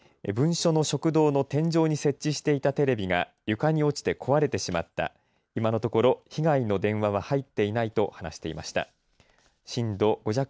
分署の食堂の天井に設置していたテレビが４台床に落ちて壊れてしまった今のところ被害の電話は入っていないと話していました。